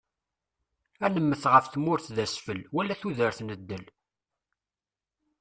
Ad nemmet ɣef tmurt d asfel, wal tudert n ddel.